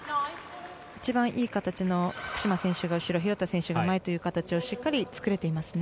一番いい形の福島選手が後ろ廣田選手が前という形を作れてますね。